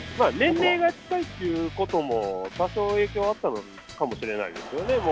年齢が近いということも多少影響があったのかもしれないですよね。